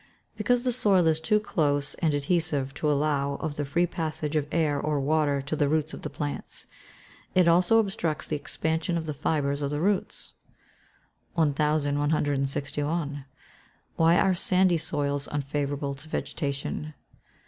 _ Because the soil is too close and adhesive to allow of the free passage of air or water to the roots of the plants; it also obstructs the expansion of the fibres of the roots. 1161. _Why are sandy soils unfavourable to vegetation?